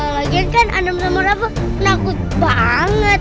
lagi kan adam sama rafa nakut banget